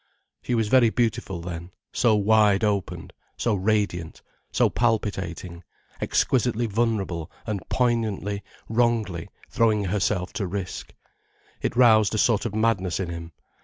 She was very beautiful then, so wide opened, so radiant, so palpitating, exquisitely vulnerable and poignantly, wrongly, throwing herself to risk. It roused a sort of madness in him.